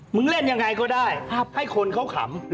มึงเล่นอย่างไรก็ได้ให้คนเขาขำครับ